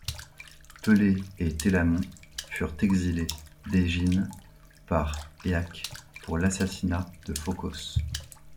Pélée et Télamon furent exilés d'Égine par Éaque pour l'assassinat de Phocos.